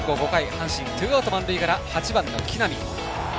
阪神、ツーアウト、満塁から８番の木浪。